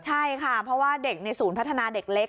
ใช่ค่ะเพราะว่าเด็กในศูนย์พัฒนาเด็กเล็ก